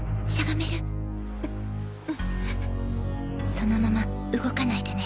そのまま動かないでね。